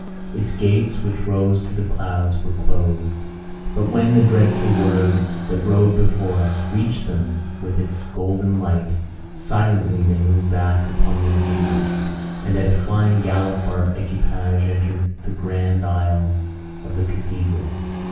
Its gates, which rose to the clouds, were closed. But when the dreadful word, that rode before us, reached them with its golden light, silently they moved back upon their hinges; and at a flying gallop our equipage entered the grand aisle of the cathedral.